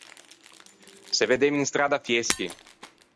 Se veddemmo in stradda Fieschi.